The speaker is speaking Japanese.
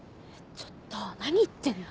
ちょっと何言ってんの？